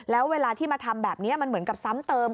แล้วเวลาที่มาทำแบบนี้มันเหมือนกับซ้ำเติม